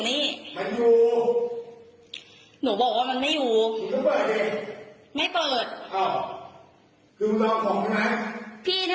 มีใช่หรือเปล่า